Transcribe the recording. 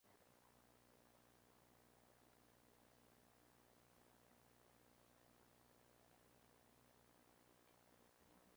En dicho país se emplean mayormente la merluza y el congrio, cortados en filetes.